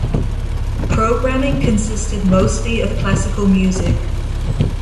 Programming consisted mostly of classical music.